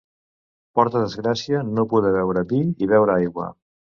Porta desgràcia no poder beure vi i beure aigua.